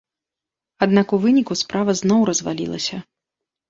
Аднак у выніку справа зноў развалілася.